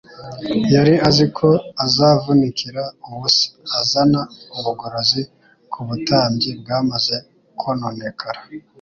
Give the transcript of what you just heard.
Yari azi ko azavunikira ubusa azana ubugorozi ku butambyi bwamaze kononekara;